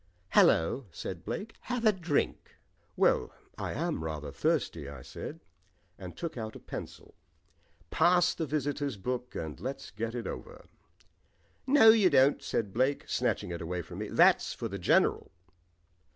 "Hallo," said Blake, "have a drink." "Well, I am rather thirsty," I said, and I took out a pencil. "Pass the visitors' book and let's get it over." "No, you don't," said Blake, snatching it away from me, "that's for the General."